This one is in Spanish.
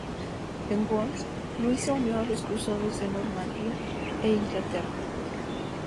En Worms, Luis se unió a los cruzados de Normandía e Inglaterra.